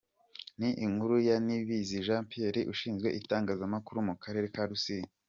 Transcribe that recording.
Ni inkuru ya Niyibizi Jean Pierre Ushinzwe Itangazamakuru mu Karere ka Rusizi.